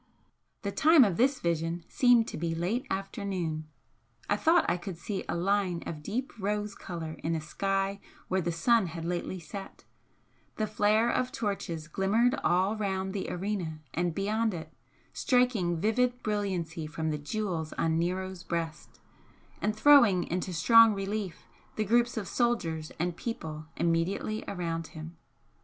The time of this vision seemed to be late afternoon I thought I could see a line of deep rose colour in a sky where the sun had lately set the flare of torches glimmered all round the arena and beyond it, striking vivid brilliancy from the jewels on Nero's breast and throwing into strong relief the groups of soldiers and people immediately around him.